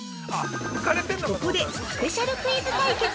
◆ここでスペシャルクイズ対決！